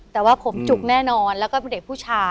แต่ว่าผมจุกแน่นอนแล้วก็เป็นเด็กผู้ชาย